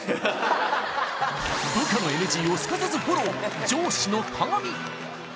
部下のＮＧをすかさずフォロー上司のかがみ！